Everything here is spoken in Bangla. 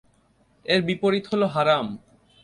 এর বিপরীত হলো হারাম।